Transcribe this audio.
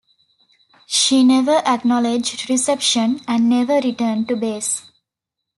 She never acknowledged reception, and never returned to base.